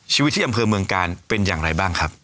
ชีวิตที่อำเภอเมืองกาลเป็นอย่างไรบ้างครับ